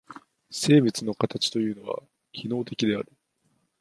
生物の形というのは機能的である。